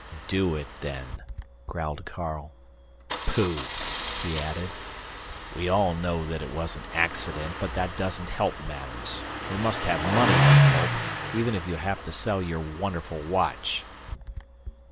"Do it, then," growled Carl. "Pooh," he added, "we all know that it was an accident, but that doesn't help matters. We must have money, Van Holp even if you have to sell your wonderful watch."